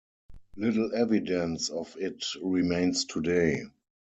Little evidence of it remains today.